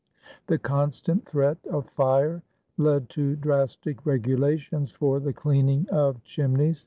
The constant threat of fire led to drastic regulations for the cleaning of chimneys.